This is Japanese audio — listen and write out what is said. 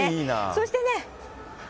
そしてね。